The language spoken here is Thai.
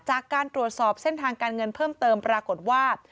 จากการตรวจสอบเส้นทางการเงินเพิ่มเติมปรากฏว่า